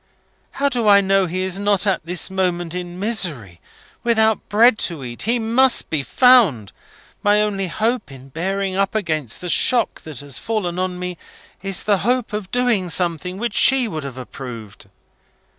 How do I know he is not at this moment in misery, without bread to eat? He must be found! My only hope of bearing up against the shock that has fallen on me, is the hope of doing something which she would have approved.